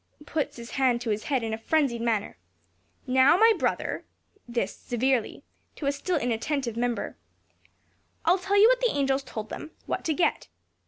(Puts his hand to his head in a frenzied manner.) "Now, my brother" (This severely to a still inattentive member), "I'll tell you what the angels told them what to get.